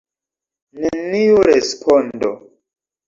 Neniu respondo.